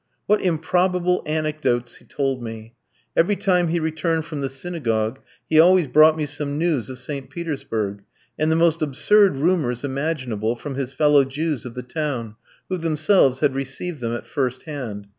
What improbable anecdotes he told me! Every time he returned from the synagogue he always brought me some news of St. Petersburg, and the most absurd rumours imaginable from his fellow Jews of the town, who themselves had received them at first hand.